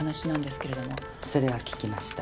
それは聞きました。